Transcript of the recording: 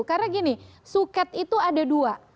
karena gini suket itu ada dua